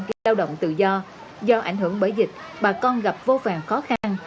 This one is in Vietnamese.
giao động tự do do ảnh hưởng bởi dịch bà con gặp vô vàng khó khăn